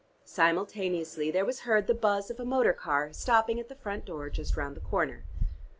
Simultaneously there was heard the buzz of a motor car stopping at the front door just round the corner.